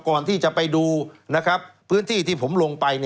ก่อนที่จะไปดูพื้นที่ที่ผมลงไป